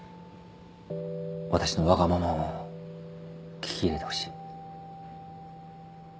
私のわがままを聞き入れてほしい。